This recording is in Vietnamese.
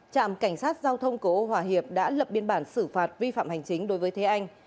trạm cảnh sát giao thông cổ ô hòa hiệp đã lập biên bản xử phạt vi phạm hành chính đối với thế anh